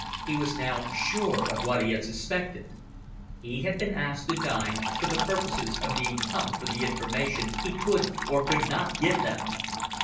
He was now sure of what he had suspected. He had been asked to dine for the purposes of being pumped for the information he could or could not give them.